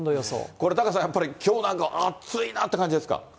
これ、タカさん、やっぱりきょうなんかは暑いなっていう感じですか。